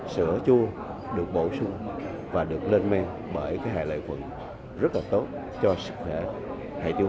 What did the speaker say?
sữa chua được bổ sung và được lên men bởi các hệ lợi khuẩn rất là tốt cho sức khỏe hệ tiêu